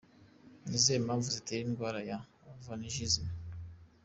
Ni izihe mpamvu zitera indwara ya Vaginisme?.